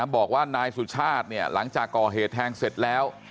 บอกว่านายสุชาติเนี่ยหลังจากก่อเหตุแทงเสร็จแล้ว